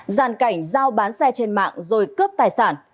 giàn cảnh giao bán xe trên mạng rồi cướp tài sản